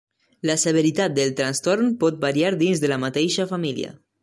La severitat del trastorn pot variar dins de la mateixa família.